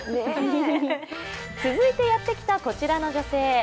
続いてやってきたこちらの女性。